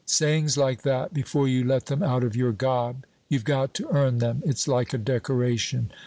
Sayings like that, before you let them out of your gob, you've got to earn them; it's like a decoration.